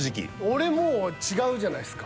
俺もう違うじゃないですか。